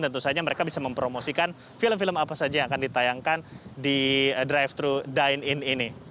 tentu saja mereka bisa mempromosikan film film apa saja yang akan ditayangkan di drive thru dine in ini